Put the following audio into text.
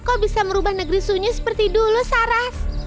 kau bisa merubah negeri sunyi seperti dulu saras